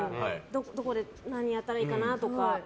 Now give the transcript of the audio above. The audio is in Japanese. どこで何をやったらいいかなとか。